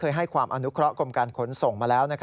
ให้ความอนุเคราะห์กรมการขนส่งมาแล้ว